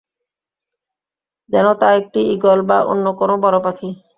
যেন তা একটি ঈগল বা অন্য কোন বড় পাখি।